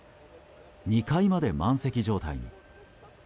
２階まで満席状態に。